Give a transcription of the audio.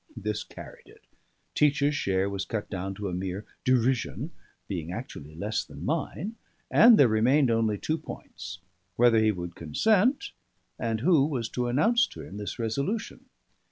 This carried it; Teach's share was cut down to a mere derision, being actually less than mine; and there remained only two points: whether he would consent, and who was to announce to him this resolution.